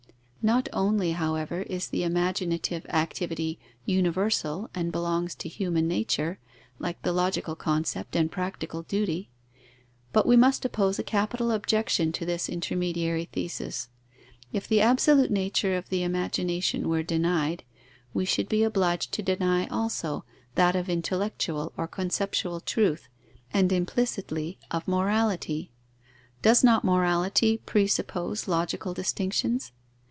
Not only, however, is the imaginative activity universal and belongs to human nature, like the logical concept and practical duty; but we must oppose a capital objection to this intermediary thesis. If the absolute nature of the imagination were denied, we should be obliged to deny also that of intellectual or conceptual truth, and, implicitly, of morality. Does not morality presuppose logical distinctions?